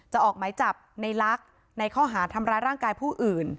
ออกหมายจับในลักษณ์ในข้อหาทำร้ายร่างกายผู้อื่น